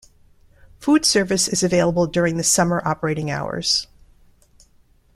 Food service is available during the summer operating hours.